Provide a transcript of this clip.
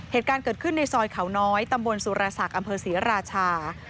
เหตุการณ์เกิดขึ้นในซอยเขาน้อยตำบลสุรศักดิ์อำเภอศรีราชา